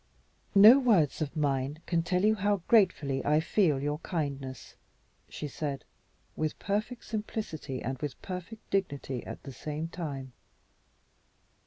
"No words of mine can tell you how gratefully I feel your kindness," she said, with perfect simplicity, and with perfect dignity at the same time.